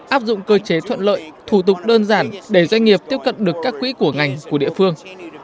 áp dụng cơ chế thuận lợi thủ tục đơn giản để doanh nghiệp tiếp cận được các quỹ của ngành của địa phương